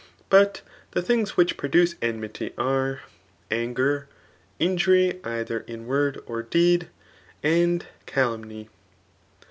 Bdt the things which produce enmity utf anger, ii^ury either in word or deed,* and cadunmy.